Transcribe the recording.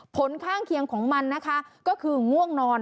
ผลข้างเคียงของมันนะคะก็คือง่วงนอน